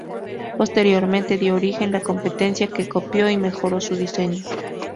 Posteriormente dio origen la competencia, que copió y mejoró su diseño.